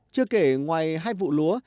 chưa kể ngoài hai vụ lúa